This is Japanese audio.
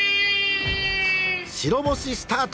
白星スタート。